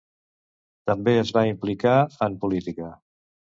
També es va implicar en política.